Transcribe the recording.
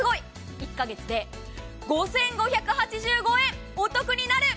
１カ月で５５８５円お得になる。